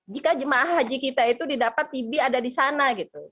jika jemaah haji kita itu didapat tibi ada di sana gitu